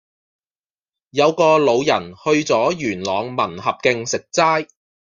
有個老人去左元朗民合徑食齋